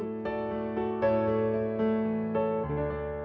sampai jumpa di video selanjutnya